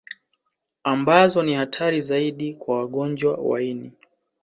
Ambazo ni hatari zaidi kwa wagonjwa wa ini